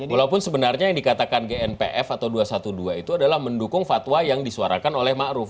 walaupun sebenarnya yang dikatakan gnpf atau dua ratus dua belas itu adalah mendukung fatwa yang disuarakan oleh ⁇ maruf ⁇